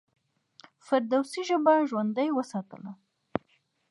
فردوسي ژبه ژوندۍ وساتله.